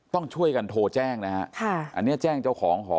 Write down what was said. ต้องช่วยกันโทรแจ้งนะฮะค่ะอันนี้แจ้งเจ้าของหอ